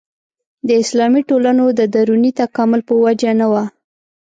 د اسلامي ټولنو د دروني تکامل په وجه نه وه.